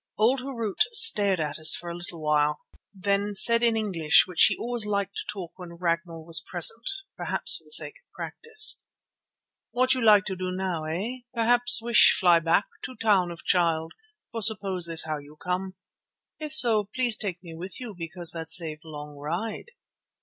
Old Harût stared at us for a little while, then said in English, which he always liked to talk when Ragnall was present, perhaps for the sake of practice: "What you like do now, eh? P'r'aps wish fly back to Town of Child, for suppose this how you come. If so, please take me with you, because that save long ride."